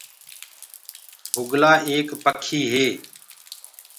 بُگلو ايڪ پکي هي۔